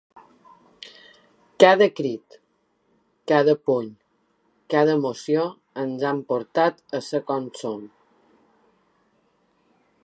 Cada crit, cada puny, cada emoció ens han portat a ser com som.